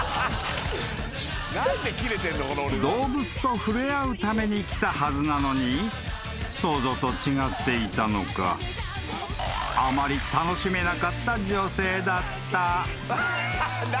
［動物と触れ合うために来たはずなのに想像と違っていたのかあまり楽しめなかった女性だった］